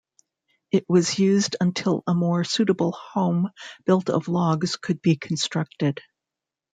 It was used until a more suitable home built of logs could be constructed.